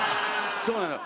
そうなのよ。